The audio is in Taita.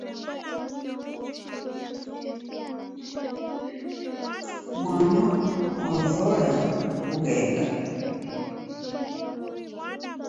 Mwana wazoya kughenda.